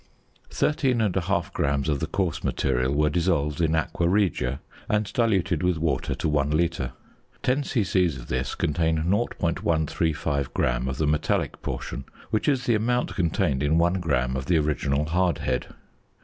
Thirteen and a half grams of the coarse material were dissolved in aqua regia, and diluted with water to 1 litre. Ten c.c. of this contain 0.135 gram of the metallic portion, which is the amount contained in 1 gram of the original hardhead.